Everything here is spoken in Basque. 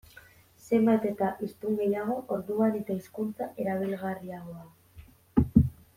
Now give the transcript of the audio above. Zenbat eta hiztun gehiago, orduan eta hizkuntza erabilgarriagoa.